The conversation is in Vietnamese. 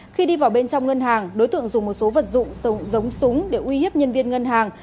khi đi vào bên trong ngân hàng đối tượng dùng một số vật dụng giống súng để uy hiếp nhân viên ngân hàng